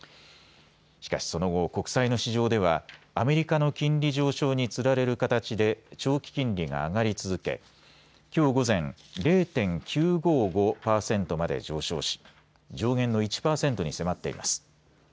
しかしその後、国債の市場ではアメリカの金利上昇につられる形で長期金利が上がり続けきょう午前、０．９５５％まで上昇し上限の１％に迫っています。